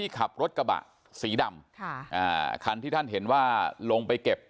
ขับรถกระบะสีดำค่ะอ่าคันที่ท่านเห็นว่าลงไปเก็บ